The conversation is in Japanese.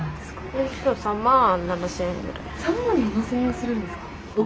３７，０００円するんですか？